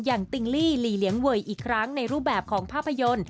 ติงลี่หลีเลี้ยงเวย์อีกครั้งในรูปแบบของภาพยนตร์